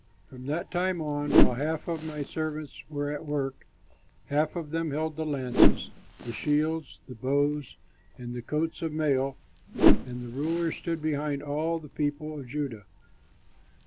From that time on, while half of my servants were at work, half of them held the lances, the shields, the bows and the coats of mail; and the rulers stood behind all the people of Judah.